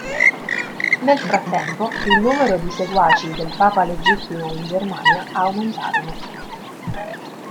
Nel frattempo il numero di seguaci del papa legittimo in Germania aumentarono.